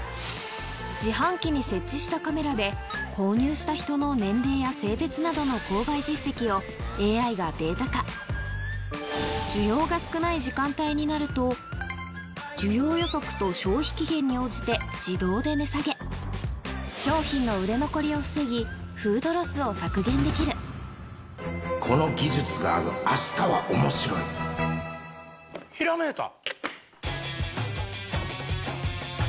自販機に設置したカメラで購入した人の年齢や性別などの購買実績を ＡＩ がデータ化需要予測と消費期限に応じて自動で値下げ商品の売れ残りを防ぎこの技術があるあしたは面白いひらめいた！